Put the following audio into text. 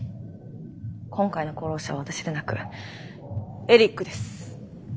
今回の功労者は私でなくエリックです。